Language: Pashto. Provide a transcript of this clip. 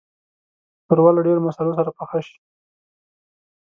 ښوروا له ډېرو مصالحو سره پخه شي.